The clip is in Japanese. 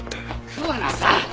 桑名さん！